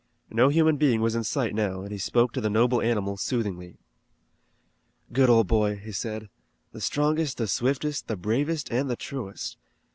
No human being was in sight now and he spoke to the noble animal soothingly. "Good old boy," he said; "the strongest, the swiftest, the bravest, and the truest.